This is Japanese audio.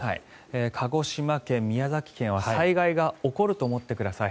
鹿児島県、宮崎県は災害が起こると思ってください。